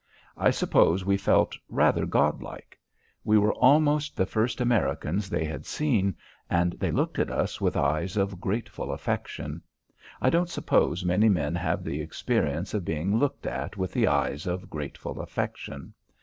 I suppose we felt rather god like. We were almost the first Americans they had seen and they looked at us with eyes of grateful affection. I don't suppose many men have the experience of being looked at with eyes of grateful affection.